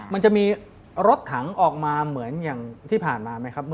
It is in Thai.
มันจะมีรถถังออกมาเหมือนอย่างที่ผ่านมาไหมครับ